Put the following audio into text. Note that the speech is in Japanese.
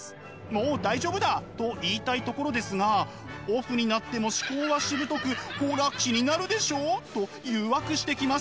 もう大丈夫だと言いたいところですがオフになっても思考はしぶとく「ほら気になるでしょ」と誘惑してきます。